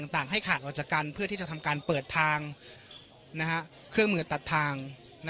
ทั้งเรื่อยที่จะสามารถจากงานรอย